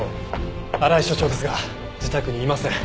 新井所長ですが自宅にいません。